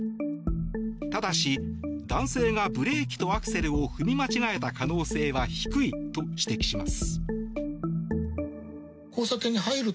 ただし、男性がブレーキとアクセルを踏み間違えた可能性は低いと指摘します。